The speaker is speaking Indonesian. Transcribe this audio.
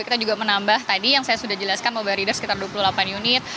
kita juga menambah tadi yang saya sudah jelaskan mobile rider sekitar dua puluh delapan unit